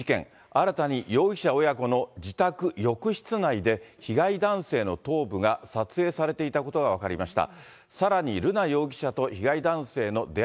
新たに容疑者親子の自宅浴室内で、被害男性の頭部が撮影されていたことが分かりました。